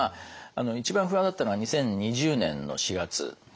一番不安だったのが２０２０年の４月ですね。